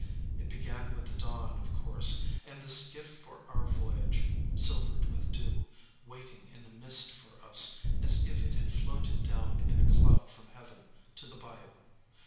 It began with the dawn, of course; and the skiff for our voyage, silvered with dew, waiting in the mist for us, as if it had floated down in a cloud from heaven to the bayou.